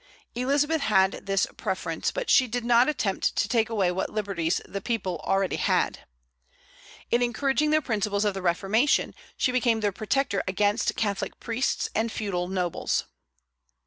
Elizabeth had this preference; but she did not attempt to take away what liberties the people already had. In encouraging the principles of the Reformation, she became their protector against Catholic priests and feudal nobles.